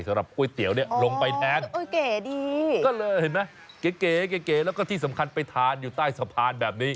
สำหรับก๋วยเตี๋ยวอะไรน้อยไม่แท้นแก่อย่างนั้นเก๋แล้วก็ที่สำคัญไปทานอยู่ใต้สะพาน